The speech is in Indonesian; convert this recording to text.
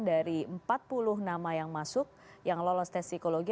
dari empat puluh nama yang masuk yang lolos tes psikologi